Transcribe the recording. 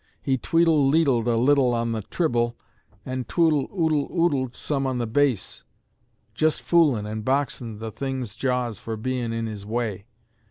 He tweedle leedled a little on the trible, and twoodle oodle oodled some on the base just foolin' and boxin' the thing's jaws for bein' in his way.